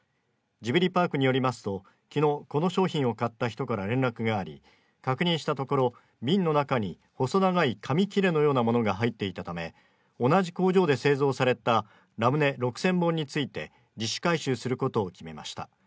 ジブリパークによりますときのうこの商品を買った人から連絡があり確認したところ瓶の中に細長い紙切れのようなものが入っていたため同じ工場で製造されたラムネ６０００本について自主回収することを決めました